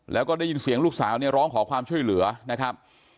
แล้วก็ได้ยินเสียงลูกสาวเนี่ยร้องขอความช่วยเหลือนะครับ